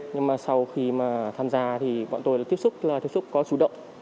nhưng mà sau khi mà tham gia thì bọn tôi tiếp xúc là tiếp xúc có chủ động